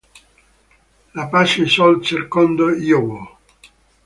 La pace sol cercando io vo'.